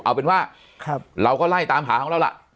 เอาเป็นว่าเราก็ไล่ตามหาของเราล่ะ